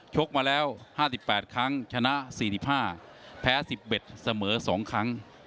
กมาแล้ว๕๘ครั้งชนะ๔๕แพ้๑๑เสมอ๒ครั้ง